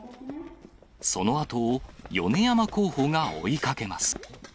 そのあとを米山候補が追いかけます。